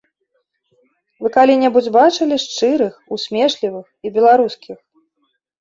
Вы калі-небудзь бачылі шчырых, усмешлівых і беларускіх?